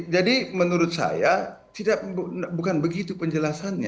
jadi menurut saya tidak bukan begitu penjelasannya